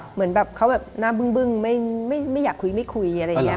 เหมือนแบบเขาแบบหน้าบึ้งไม่อยากคุยไม่คุยอะไรอย่างนี้